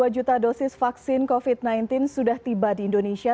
dua juta dosis vaksin covid sembilan belas sudah tiba di indonesia